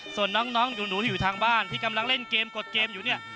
ส่วนน้องหนูที่อยู่ทางบ้านที่กำลังเล่นเกมกดเกมอยู่เนี่ย